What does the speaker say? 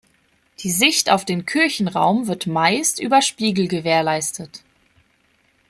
Die Sicht auf den Kirchenraum wird meist über Spiegel gewährleistet.